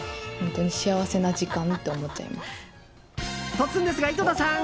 突然ですが、井戸田さん。